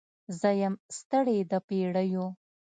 زه یم ستړې د پیړیو